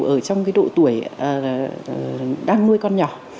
ở trong độ tuổi đang nuôi con nhỏ